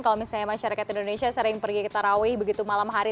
kalau misalnya masyarakat indonesia sering pergi ke tarawih begitu malam hari